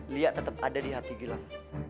lia tetap ada di hati gilang